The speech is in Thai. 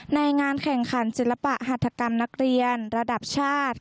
ในงานแข่งขันศิลปะหัฐกรรมนักเรียนระดับชาติ